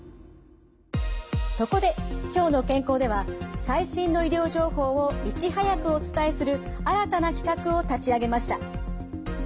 そこで「きょうの健康」では最新の医療情報をいち早くお伝えする新たな企画を立ち上げました。